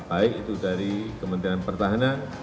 baik itu dari kementerian pertahanan